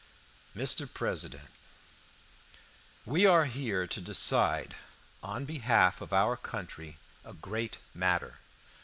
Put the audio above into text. "MR. PRESIDENT, We are here to decide, on behalf of our country, a great matter.